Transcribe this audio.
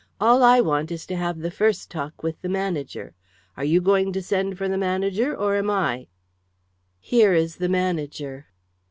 All I want is to have the first talk with the manager. Are you going to send for the manager, or am I?" "Here is the manager."